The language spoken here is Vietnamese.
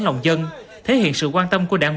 lòng dân thể hiện sự quan tâm của đảng